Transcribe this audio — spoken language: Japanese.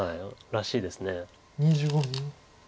らしいです。